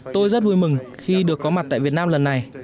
tôi rất vui mừng khi được có mặt tại việt nam lần này